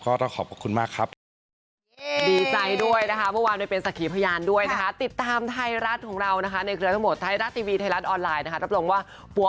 ก็เราขอบคุณมากครับ